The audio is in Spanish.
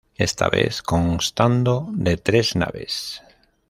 Esta vez, constando de de tres naves.